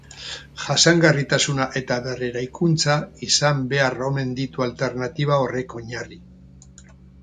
Jasangarritasuna eta berreraikuntza izan behar omen ditu alternatiba horrek oinarri.